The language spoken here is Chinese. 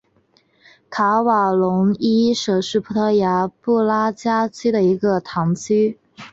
卡瓦隆伊什是葡萄牙布拉加区的一个堂区。